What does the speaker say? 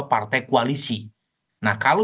partai koalisi nah kalau